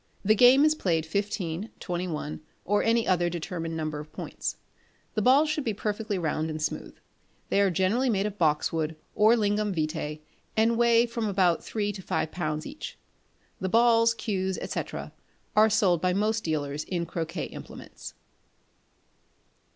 The game is played fifteen, twenty one, or any other determined number of points. The balls should be perfectly round and smooth. They are generally made of boxwood or lignum vitæ, and weigh about three to five lbs. each; the balls, cues, &c., are sold by most dealers in croquet implements.